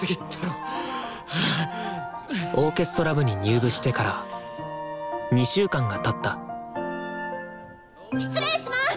オーケストラ部に入部してから２週間がたった失礼します！